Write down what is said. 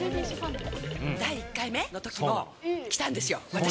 第１回目のときも、来たんですよ、私。